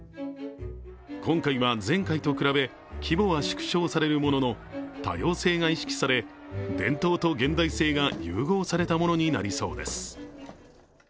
今回は、前回と比べ規模は縮小されるものの多様性が意識され、伝統と現代性が融合されたものになりそうです。